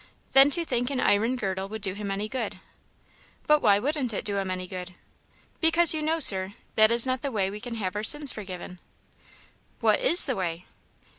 "Than to think an iron girdle would do him any good." "But why wouldn't it do him any good?" "Because you know, Sir, that is not the way we can have our sins forgiven." "What is the way?"